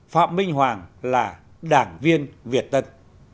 phạm minh hoàng là đảng việt tân